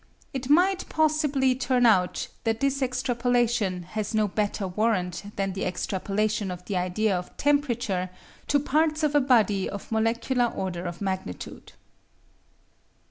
It might possibly turn out that this extrapolation has no better warrant than the extrapolation of the idea of temperature to parts of a body of molecular order of magnitude.